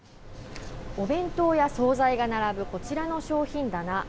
お弁当や総菜が並ぶこちらの商品棚。